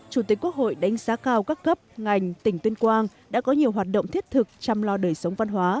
chủ tịch quốc hội đánh giá cao các cấp ngành tỉnh tuyên quang đã có nhiều hoạt động thiết thực chăm lo đời sống văn hóa